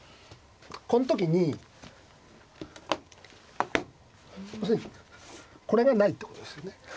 この時にこれがないってことですよね。